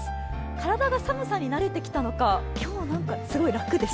体が寒さに慣れてきたのか、今日は何かすごい楽です。